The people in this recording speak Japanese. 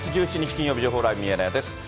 金曜日、情報ライブミヤネ屋です。